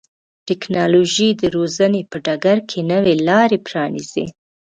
ټکنالوژي د روزنې په ډګر کې نوې لارې پرانیزي.